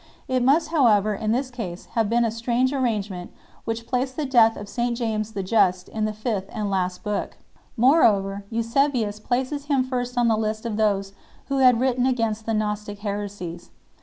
It must however in this case have been a strange arrangement which placed the death of St James the Just in the fifth and last book. Moreover, Eusebius places him first on the list of those who had written against the Gnostic heresies.